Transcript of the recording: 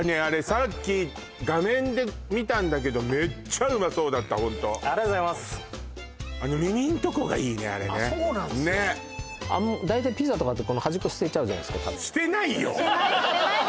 さっき画面で見たんだけどメッチャうまそうだったホントありがとうございますあの耳んとこがいいねあっそうなんすよねっ大体ピザとかってこの端っこ捨てちゃうじゃないっすか捨てない捨てないですよ